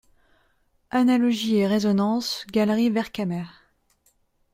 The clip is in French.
Analogies et Résonances, Galerie Vercamer.